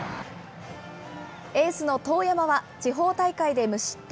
エースの當山は、地方大会で無失点。